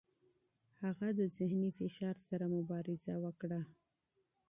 هغه د ذهني فشار سره مبارزه وکړه.